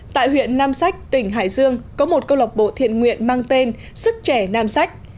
tại huyện nam sách tỉnh hải dương có một câu lạc bộ thiện nguyện mang tên sức trẻ nam sách